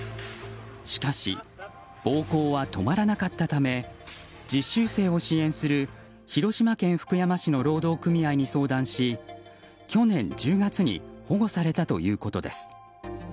しかし暴行は止まらなかったため実習生を支援する広島県福山市の労働組合に相談し去年１０月に保護されたということです。